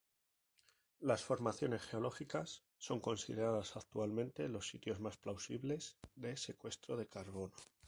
Las formaciones geológicas son consideradas actualmente los sitios más plausibles de secuestro de carbono.